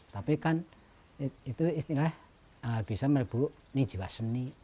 tapi itu istilahnya bisa melibatkan jiwa seni